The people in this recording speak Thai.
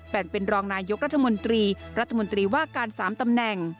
เป็นรองนายกรัฐมนตรีรัฐมนตรีว่าการ๓ตำแหน่ง